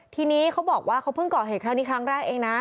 ทีนี้เขาบอกว่าเขาเพิ่งก่อเหตุครั้งนี้ครั้งแรกเองนะ